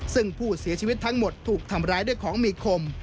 ซึ่งผู้เสียชีวิตทั้งหมดถูกทำร้ายด้วยของมีคม